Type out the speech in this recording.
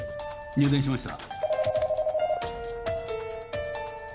入電しました。